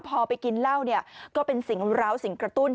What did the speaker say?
พอไปกินเล่าก็เป็นสิ่งราวสิ่งกระตุ้น